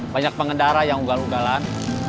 banyak pengendara yang ugal ugalan